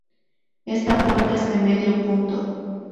Esta puerta es de medio punto.